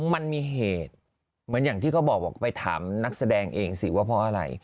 มันมีเหตุเหมือนอย่างที่เขาบอกบอกไปถามนักแสดงเองสิว่าเพราะอะไร